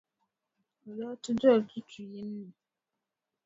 O daa ti dola tutuʼ yini ni.